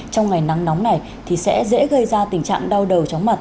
trong ngày nắng nóng này thì sẽ dễ gây ra tình trạng đau đầu chóng mặt